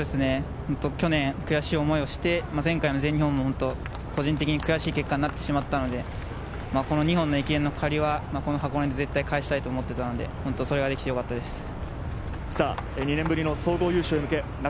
去年悔しい思いをして前回の全日本も個人的に悔しい結果になったので、２本の駅伝の借りは箱根で絶対に返したいと思っていたので、それができてよかったです。